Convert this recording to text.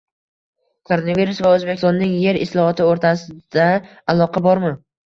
Koronavirus va O‘zbekistonning yer islohoti o‘rtasida aloqa bormi?